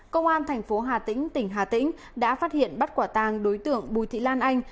công an thành phố hà tĩnh tỉnh hà tĩnh đã phát hiện bắt quả tàng đối tượng bùi thị lan anh